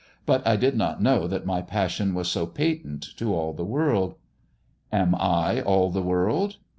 But I did not know that my passion was so patent to all the world." " Am I all the world